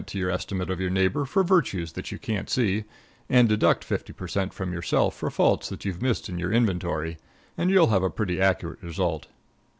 to your estimate of your neighbor for virtues that you can't see, and deduct fifty per cent. from yourself for faults that you've missed in your inventory, and you'll have a pretty accurate result.